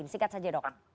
sikat saja dok